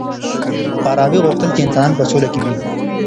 فارابي غوښتل چی انسانان په سوله کي وي.